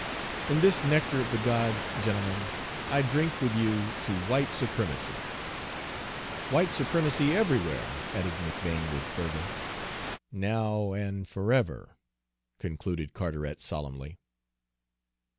In this nectar of the gods, gentlemen, I drink with you to 'White Supremacy!'" "White Supremacy everywhere!" added McBane with fervor. "Now and forever!" concluded Carteret solemnly.